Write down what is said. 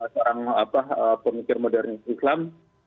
seorang pemikir modernis islam